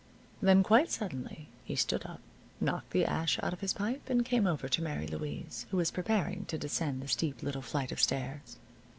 Then, quite suddenly, he stood up, knocked the ash out of his pipe, and came over to Mary Louise, who was preparing to descend the steep little flight of stairs.